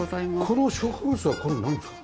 この植物はこれはなんですか？